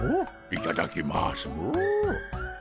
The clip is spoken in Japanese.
いただきますモ。